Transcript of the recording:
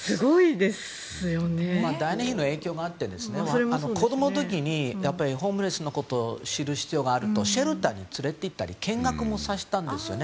ダイアナの影響もあって子供の時にホームレスのことを知る必要があるとシェルターに連れていったり見学もさせたんですよ。